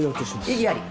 異議あり。